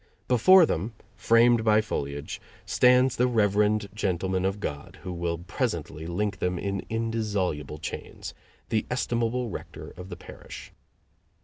Before them, framed by foliage, stands the reverend gentleman of God who will presently link them in indissoluble chains the estimable rector of the parish.